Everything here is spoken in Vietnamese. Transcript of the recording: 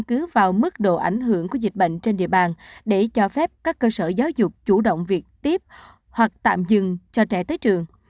cứ vào mức độ ảnh hưởng của dịch bệnh trên địa bàn để cho phép các cơ sở giáo dục chủ động việc tiếp hoặc tạm dừng cho trẻ tới trường